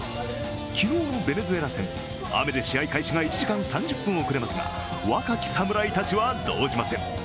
昨日のベネズエラ戦、雨で試合開始が１時間３０分遅れますが、若き侍たちは動じません。